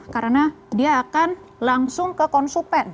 karena dia akan langsung ke konsumen